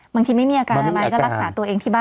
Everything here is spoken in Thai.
ไม่มีอาการอะไรก็รักษาตัวเองที่บ้าน